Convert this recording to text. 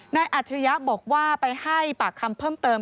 อัจฉริยะบอกว่าไปให้ปากคำเพิ่มเติม